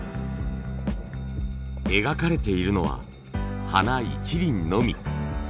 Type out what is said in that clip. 描かれているのは花一輪のみ。